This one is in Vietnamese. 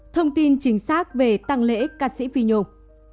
thông tin chính xác về tăng lễ ca sĩ phi nhung